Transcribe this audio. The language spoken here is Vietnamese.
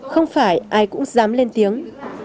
không phải ai cũng dám lên tiếng